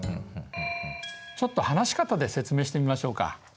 ちょっと話し方で説明してみましょうか。